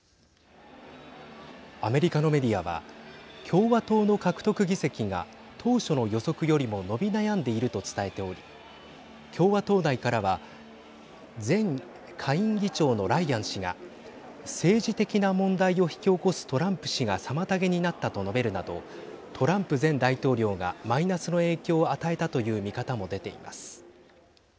アメリカのメディアは共和党の獲得議席が当初の予測よりも伸び悩んでいると伝えており共和党内からは前下院議長のライアン氏が政治的な問題を引き起こすトランプ氏が妨げになったと述べるなどトランプ前大統領がマイナスの影響を与えたという見方も出ています。